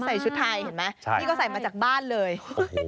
ชุดนี้ชุดนอนด้วยหรือเปล่าพี่ก็ใส่มาจากบ้านเลยเห็นไหม